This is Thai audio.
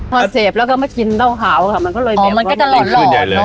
พอเสพแล้วก็มากินเต้าขาวค่ะมันก็เลยเหมียวว่าอ๋อมันก็จะหลอดเนอะ